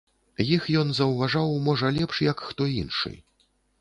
Іх ён заўважаў, можа, лепш, як хто іншы.